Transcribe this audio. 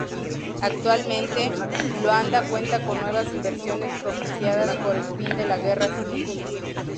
Actualmente, Luanda cuenta con nuevas inversiones propiciadas por el fin de la guerra civil.